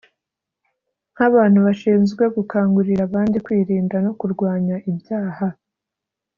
Nk’abantu bashinzwe gukangurira abandi kwirinda no kurwanya ibyaha